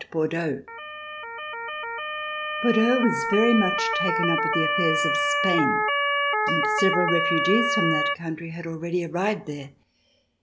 Bordeaux was very much taken up with the affairs of Spain, and several refugees from that country had already arrived there.